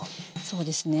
そうですね